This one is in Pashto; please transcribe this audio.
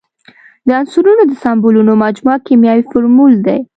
د عنصرونو د سمبولونو مجموعه کیمیاوي فورمول دی.